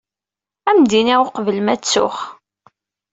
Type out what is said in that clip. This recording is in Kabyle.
Ad am-d-iniɣ uqbel ma ttuɣ.